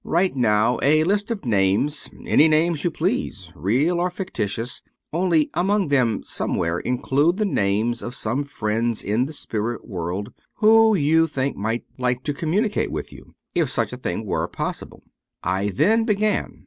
Write now a list of names — any names you please, real or fictitious, only among them somewhere include the names of some friends in the spirit world who, you think, 249 True Stories of Modern Magic might like to communicate with you, if such a thing were possible/ I then began.